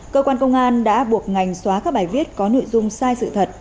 cơ quan công an đã buộc ngành xóa các bài viết có nội dung sai sự thật